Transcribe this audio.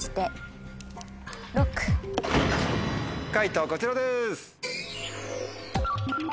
解答こちらです。